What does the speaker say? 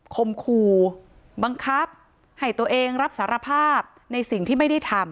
คมคู่บังคับให้ตัวเองรับสารภาพในสิ่งที่ไม่ได้ทำ